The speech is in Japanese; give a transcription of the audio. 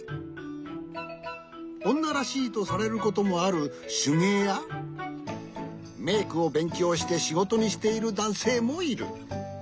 おんならしいとされることもあるしゅげいやメークをべんきょうしてしごとにしているだんせいもいる。